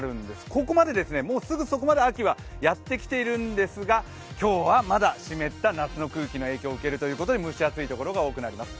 ここまでもうすぐそこまで秋はやってきているんですが、今日はまだ湿った夏の空気の影響を受けるということで、蒸し暑いところが多くなります。